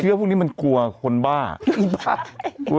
ชี้วะพวกนี้มันกลัวจริงคนด้านห้างกลัวห๊าย